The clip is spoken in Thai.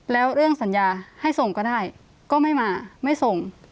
แล้วเรื่องสัญญาให้ส่งก็ได้ก็ไม่มาไม่ส่ง